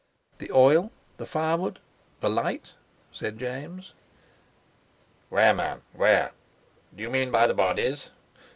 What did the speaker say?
"The oil, the firewood, the light," said James. "Where, man, where? Do you mean, by the bodies?"